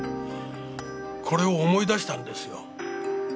これを思い出したんですよ。